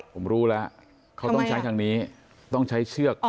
ผมรู้แล้วเขาต้องใช้ทางนี้ต้องใช้เชือก